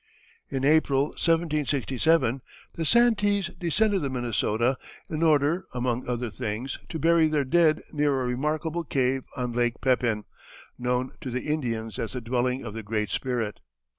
In April, 1767, the Santees descended the Minnesota in order, among other things, to bury their dead near a remarkable cave on Lake Pepin, known to the Indians as the "dwelling of the Great Spirit."